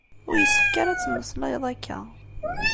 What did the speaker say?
Ur yessefk ara ad temmeslayeḍ akka.